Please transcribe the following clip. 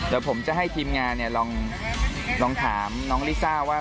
เดี๋ยวผมจะให้ทีมงานลองถามน้องลิซ่าว่า